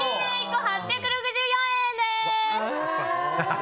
１個８６４円です。